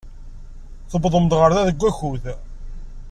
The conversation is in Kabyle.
Tewwḍem-d ɣer da deg wakud.